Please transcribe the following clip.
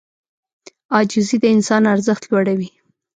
عاجزي د انسان ارزښت لوړوي.